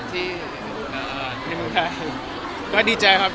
ไม่ทราบเลยครอบครับ